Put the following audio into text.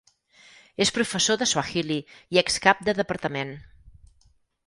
És professor de suahili i excap de departament.